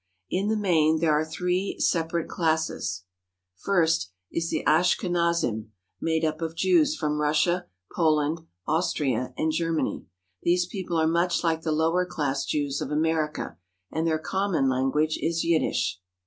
In the main there are three separate classes : First is the Ashkenazim, made up of Jews from Russia, Poland, Austria, and Germany. These people are much like the lower class Jews of America, and their common language is Yiddish.